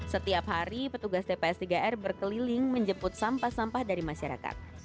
setiap hari petugas tps tiga r berkeliling menjemput sampah sampah dari masyarakat